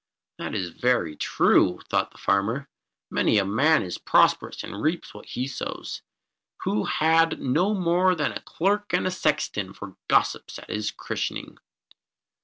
"That is very true," thought the farmer. "Many a man is prosperous, and reaps what he sows, who had no more than the clerk and the sexton for gossips at his christening."